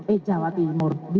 eh jawa timur